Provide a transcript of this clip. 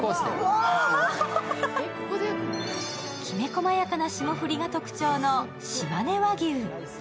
きめ細やかな霜降りが特徴のしまね和牛。